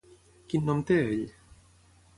Quin nom té ell?